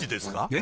え？